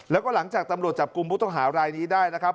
แล้วก็หลังจากตำรวจจับกลุ่มผู้ต้องหารายนี้ได้นะครับ